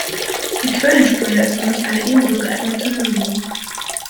Die Quellensteuer ist für mich eine ebenso geeignete Lösung.